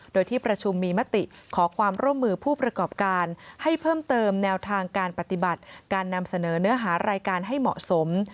โดยที่ประชุมมีมติขอความร่วมมือผู้ประกอบการให้เพิ่มเติมแนวทางการปฏิบัติการนำเสนอเนื้อหารายการให้เหมาะสม